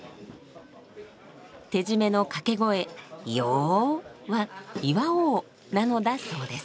手締めの掛け声「いよぉっ」は「祝おう」なのだそうです。